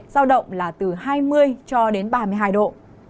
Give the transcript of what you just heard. giao động là từ hai mươi cho đến ba mươi hai độ